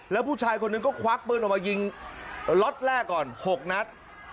แล้วผู้ชายคนหนึ่งก็ควักปืนออกมายิงล็อตแรกก่อน๖นัด